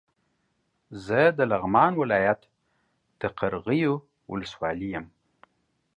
زه د لغمان ولايت د قرغيو ولسوالۍ يم